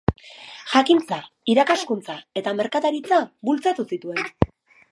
Jakintza, irakaskuntza eta merkataritza bultzatu zituen.